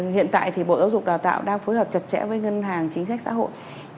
hiện tại thì bộ giáo dục đào tạo đang phối hợp chặt chẽ với ngân hàng chính sách xã hội